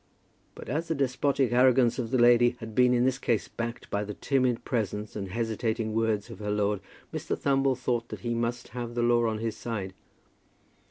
But as the despotic arrogance of the lady had been in this case backed by the timid presence and hesitating words of her lord, Mr. Thumble thought that he must have the law on his side.